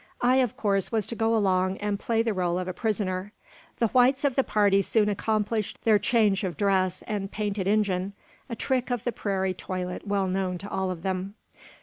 I, of course, was to go along and play the role of a prisoner. The whites of the party soon accomplished their change of dress, and "painted Injun," a trick of the prairie toilet well known to all of them.